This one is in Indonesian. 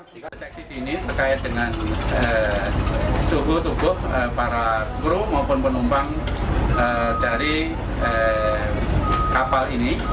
deteksi ini terkait dengan suhu tubuh para guru maupun penumpang dari kapal ini